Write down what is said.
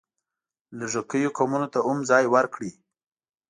لږکیو قومونو ته هم ځای ورکړی.